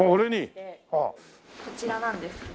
こちらなんですけども。